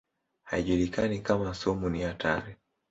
Haijulikani kama sumu ni hatari.